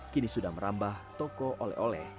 kini sudah merambah toko oleh oleh